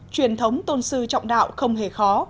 truyền thống tôn sư trọng đạo không hề khó